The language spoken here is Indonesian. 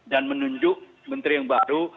dan menunjuk menteri yang baru